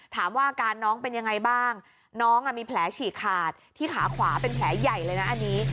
อาการน้องเป็นยังไงบ้างน้องมีแผลฉีกขาดที่ขาขวาเป็นแผลใหญ่เลยนะอันนี้